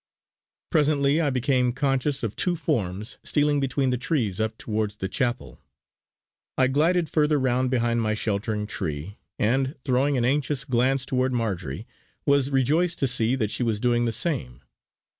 Presently I became conscious of two forms stealing between the trees up towards the chapel. I glided further round behind my sheltering tree, and, throwing an anxious glance toward Marjory, was rejoiced to see that she was doing the same.